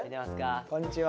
こんにちは。